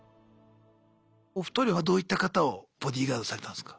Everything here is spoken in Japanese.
お二人はどういった方をボディーガードされたんすか？